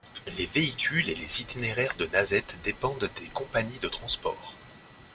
Les véhicules et les itinéraires de navettes dépendent des compagnies de transport.